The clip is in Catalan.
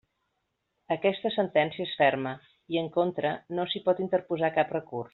Aquesta sentència és ferma i, en contra, no s'hi pot interposar cap recurs.